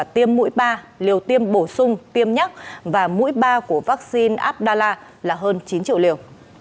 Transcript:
tiêm mũi ba liều tiêm bổ sung tiêm nhắc và mũi ba của vaccine abdalla là hơn chín triệu liều